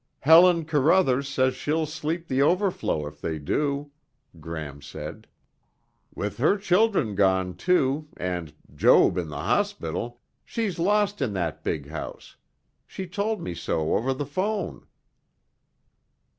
"Helen Carruthers said she'll sleep the overflow if they do," Gram said. "With her children gone, too, and Joab in the hospital, she's lost in that big house. She told me so over the phone."